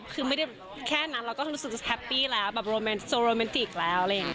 คือไม่ได้แค่นั้นเราก็รู้สึกจะแฮปปี้แล้วแบบโซโรแมนติกแล้วอะไรอย่างนี้